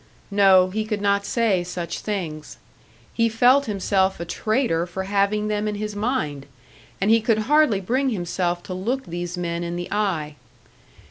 No, he could not say such things. He felt himself a traitor for having them in his mind, and he could hardly bring himself to look these men in the eye.